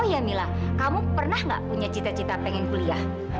oh ya mila kamu pernah nggak punya cita cita pengen kuliah